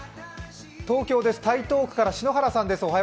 東京です、台東区から篠原さんです。